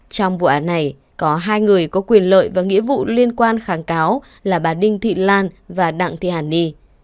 trong vụ án này có hai người có quyền lợi và nghĩa vụ liên quan kháng cáo là bà đinh thị lan và đặng thị hàn ni